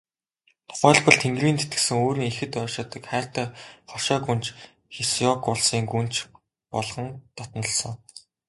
Тухайлбал, Тэнгэрийн тэтгэсэн өөрийн ихэд ойшоодог хайртай хошой гүнж Хэсяог улсын гүнж болгон дотнолсон.